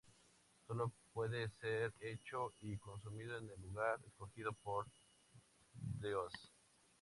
Sólo puede ser hecho y consumido en el lugar escogido por D-os.